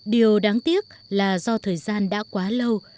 điều đáng tiếc là do thời gian đã quá lâu